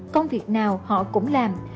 công việc nào họ cũng làm